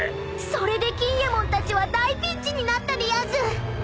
［それで錦えもんたちは大ピンチになったでやんす］